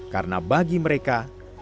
karena bagi mereka